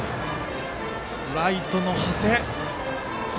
ライトの長谷。